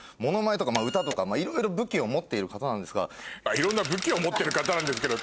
「いろんな武器を持ってる方なんですけど」。